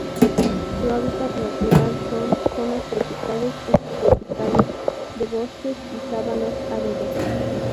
Su hábitat natural son: zonas tropicales o subtropicales, de bosques y sabanas áridos.